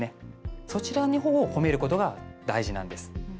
そちらのほうを褒めることが大事なんです。